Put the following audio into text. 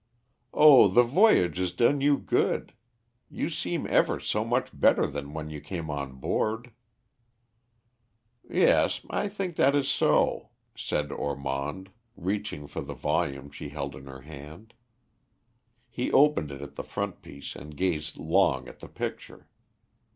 "Oh, the voyage has done you good. You seem ever so much better than when you came on board." "Yes, I think that is so," said Ormond, reaching for the volume she held in her hand. He opened it at the frontispiece and gazed long at the picture.